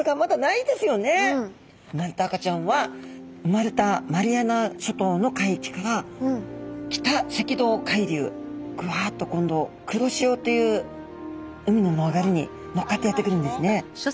なんと赤ちゃんは生まれたマリアナ諸島の海域から北赤道海流グワッと今度黒潮という海の流れに乗っかってやって来るんですね。